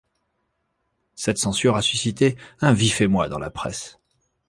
Cette censure a suscité un vif émoi dans la presse.